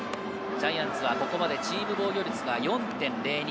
ジャイアンツはここまでチーム防御率が４．０２。